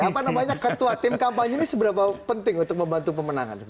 apa namanya ketua tim kampanye ini seberapa penting untuk membantu pemenangan